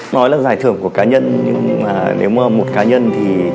nói là giải thưởng của cá nhân nhưng mà nếu một cá nhân thì